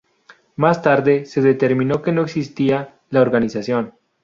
Más tarde, se determinó que no existía la organización.